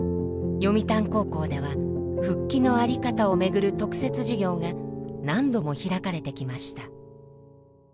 読谷高校では復帰の在り方をめぐる特設授業が何度も開かれてきました。